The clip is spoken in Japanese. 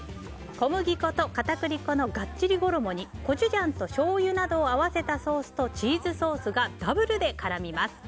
小麦粉と片栗粉のガッチリ衣にコチュジャンとしょうゆなどを合わせたソースとチーズソースがダブルで絡みます。